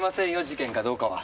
事件かどうかは。